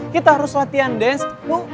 kita harus latihan dance